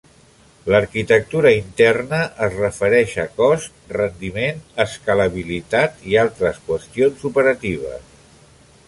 L'arquitectura interna es refereix a cost, rendiment, escalabilitat i altres qüestions operatives.